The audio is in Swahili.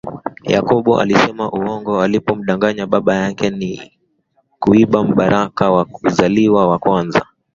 Yakobo alisema uongo alipomdanganya Baba yake na kuiba mbaraka wa uzaliwa wa kwanza